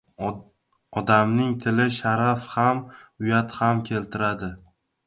• Odamning tili sharaf ham, uyat ham keltiradi.